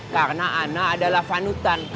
karena ana adalah vanutan